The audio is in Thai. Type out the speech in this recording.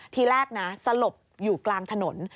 ทีแรกนะสลบอยู่กลางถนน